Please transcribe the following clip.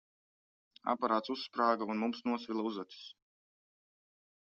Aparāts uzsprāga, un mums nosvila uzacis.